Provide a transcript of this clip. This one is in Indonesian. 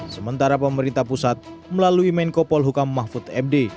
sementara pemerintah pusat melalui menko polhukam mahfud md